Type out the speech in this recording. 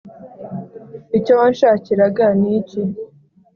icyo wanshakiraga n'iki?